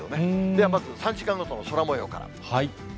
ではまず３時間ごとの空もようから。